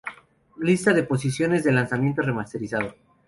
Lista de posiciones del lanzamiento remasterizado.